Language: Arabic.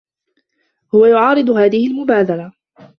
هو يعارض هذه المبادرة.